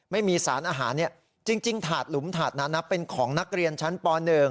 ไม่มีสารอาหารจริงถาดหลุมถาดนั้นเป็นของนักเรียนชั้นป๑